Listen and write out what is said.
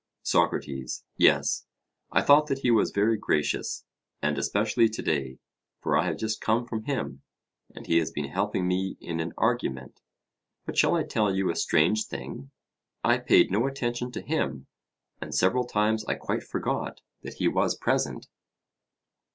SOCRATES: Yes, I thought that he was very gracious; and especially to day, for I have just come from him, and he has been helping me in an argument. But shall I tell you a strange thing? I paid no attention to him, and several times I quite forgot that he was present.